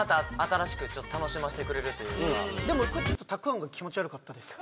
俺ちょっとたくあんが気持ち悪かったです。